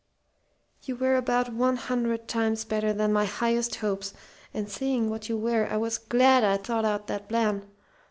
"You were about one hundred times better than my highest hopes. And seeing what you were, I was glad I'd thought out that plan.